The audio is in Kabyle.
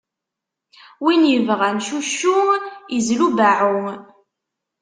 Win ibɣan cuccu, izlu beɛɛu!